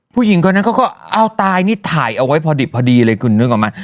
ผู้หญิงคนนั้นก็เอาตายนี่ถ่ายเอาไว้พอดีเลยคุณนึกออกมา